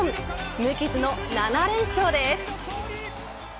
無傷の７連勝です。